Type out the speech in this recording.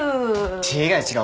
違う違う。